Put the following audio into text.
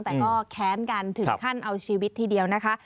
แต่ก็แค้นกันถึงขั้นเอาชีวิตทีเดียวนะคะ